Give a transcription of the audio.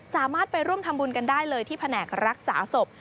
สามารถไปร่วมทำบุญกันได้เลยที่แผนกรักษาศพ